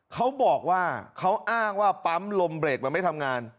เขาบอกว่าเขาอ้างว่าปั๊มลมเบรกมันไม่ทำงาน